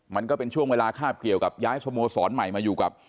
มันก็เป็นช่วงเวลาคาบเกี่ยวกับย้ายสโมสรใหม่มาอยู่กับ